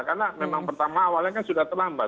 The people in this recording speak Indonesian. karena memang pertama awalnya kan sudah terlambat